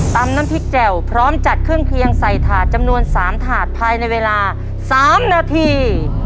น้ำพริกแจ่วพร้อมจัดเครื่องเคียงใส่ถาดจำนวน๓ถาดภายในเวลา๓นาที